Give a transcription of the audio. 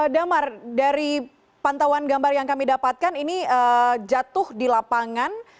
damar dari pantauan gambar yang kami dapatkan ini jatuh di lapangan